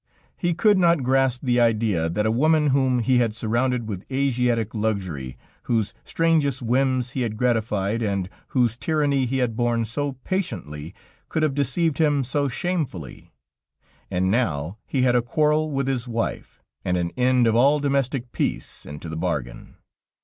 He could not grasp the idea that a woman whom he had surrounded with Asiatic luxury, whose strangest whims he had gratified, and whose tyranny he had borne so patiently, could have deceived him so shamefully, and now he had a quarrel with his wife, and an end of all domestic peace, into the bargain.